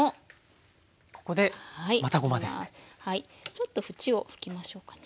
ちょっと縁を拭きましょうかね。